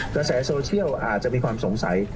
กระแสโซเชียลอาจจะมีความสงสัย